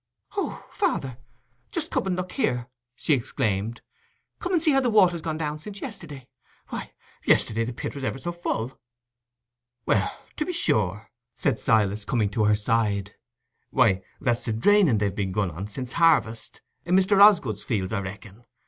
"Oh, father, just come and look here," she exclaimed—"come and see how the water's gone down since yesterday. Why, yesterday the pit was ever so full!" "Well, to be sure," said Silas, coming to her side. "Why, that's the draining they've begun on, since harvest, i' Mr. Osgood's fields, I reckon.